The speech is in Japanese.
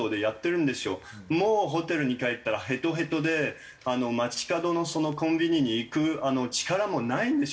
もうホテルに帰ったらヘトヘトで街角のコンビニに行く力もないんですよ